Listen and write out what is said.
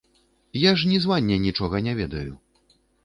Я ж нізвання нічога не ведаю.